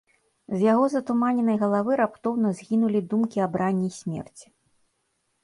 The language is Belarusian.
З яго затуманенай галавы раптоўна згінулі думкі аб ране і смерці.